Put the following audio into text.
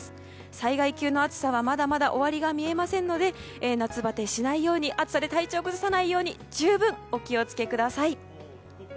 災害級の暑さはまだまだ終わりが見えませんので夏バテしないように暑さで体調を崩さないように十分にお気を付けください。